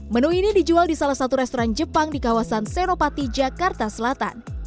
menu ini dijual di salah satu restoran jepang di kawasan senopati jakarta selatan